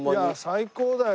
最高だよ。